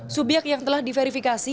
subyek yang telah diverifikasi